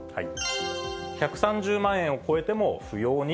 １３０万円を超えても扶養に？